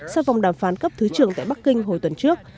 sau vòng đàm phán cấp thứ trưởng tại bắc kinh hồi tuần trước